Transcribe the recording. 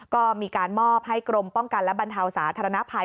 ก็มีการมอบให้กรมป้องกันและบรรเทาสาธารณภัย